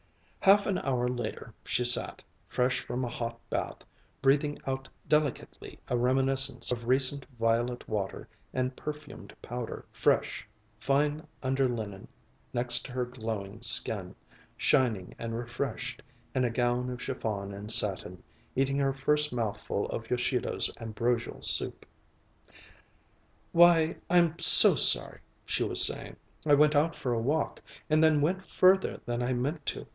Half an hour later, she sat, fresh from a hot bath, breathing out delicately a reminiscence of recent violet water and perfumed powder; fresh, fine under linen next her glowing skin; shining and refreshed, in a gown of chiffon and satin; eating her first mouthful of Yoshido's ambrosial soup. "Why, I'm so sorry," she was saying. "I went out for a walk, and then went further than I meant to.